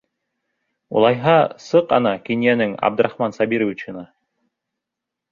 Улайһа, сыҡ ана Кинйәнең Абдрахман Сабировичына!